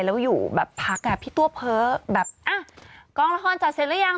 แล้วอยู่แบบพักอ่ะพี่ตัวเพ้อแบบอ่ะกองละครจัดเสร็จหรือยัง